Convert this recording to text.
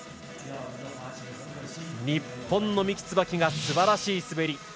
日本の三木つばきがすばらしい滑り。